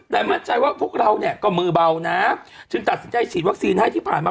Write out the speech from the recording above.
แต่มั่นใจว่าพวกเราเนี่ยก็มือเบานะจึงตัดสินใจฉีดวัคซีนให้ที่ผ่านมา